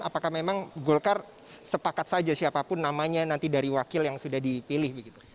apakah memang golkar sepakat saja siapapun namanya nanti dari wakil yang sudah dipilih begitu